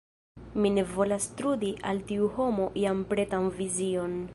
Mi ne volas trudi al tiu homo jam pretan vizion.